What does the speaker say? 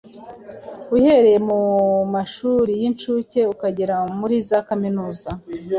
uhereye mu mashuri y’incuke ukageza muri za kaminuza.